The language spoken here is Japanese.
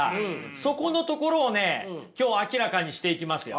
そこのところをね今日明らかにしていきますよ。